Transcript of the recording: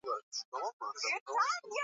Aliingia jeshi.